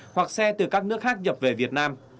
hoặc xe từ các nước khác nhập về việt nam